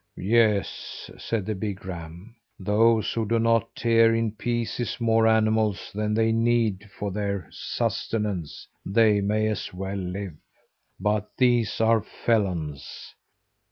"Yes," said the big ram, "those who do not tear in pieces more animals than they need for their sustenance, they may as well live. But these are felons."